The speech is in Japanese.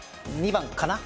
２番かな。